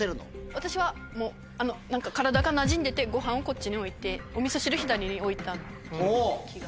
私はもう体がなじんでてご飯をこっちに置いてお味噌汁左に置いた気が。